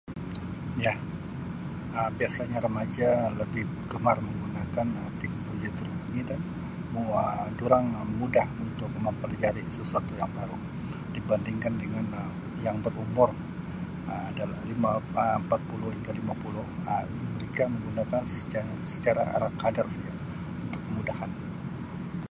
Ya, Um biasanya remaja lebih gemar menggunakan Um teknologi terkini dan mengwa-durang mudah mempelajari sesuatu yang baru dibandingkan dengan Um yang barumur Um dal-lima-[Um] empat puluh hingga lima puluh, mereka menggunakan secara-secara ala kadar sahaja untuk kemudahan.